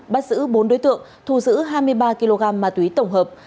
bắt giữ bốn đối tượng thu giữ hai mươi ba kg ma túy tổng hợp